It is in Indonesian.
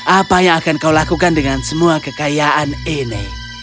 apa yang akan kau lakukan dengan semua kekayaan ini